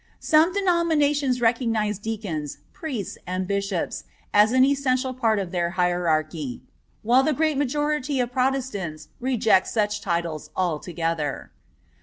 Some denominations recognize Deacons, Priests, and Bishops as an essential part of their hierarchy; while the great majority of Protestants reject such titles altogether.